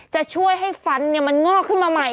จะช่วยให้ฟันมันงอกขึ้นมาใหม่